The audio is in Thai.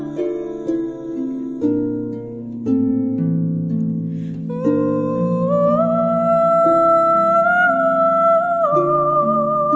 พุทธเงียบมา่นะครับ